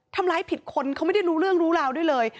ทำร้ายผิดคนเขาไม่ได้รู้เรื่องรู้ราวด้วยเลย